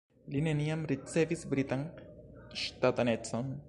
Li neniam ricevis britan ŝtatanecon.